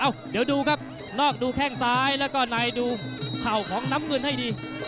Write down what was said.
เดี๋ยวดูครับนอกดูแข้งซ้ายแล้วก็ในดูเข่าของน้ำเงินให้ดี